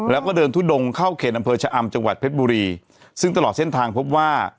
แล้วก็เดินทุดงเข้าเขตอำเภอชะอำจังหวัดเพชรบุรีซึ่งตลอดเส้นทางพบว่า